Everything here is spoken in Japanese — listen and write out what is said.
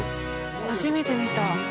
初めて見た。